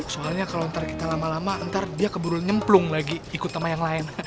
soalnya kalau ntar kita lama lama ntar dia keburu nyemplung lagi ikut sama yang lain